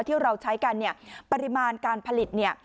ที่เราใช้กันเนี่ยปริมาณการผลิตเนี่ย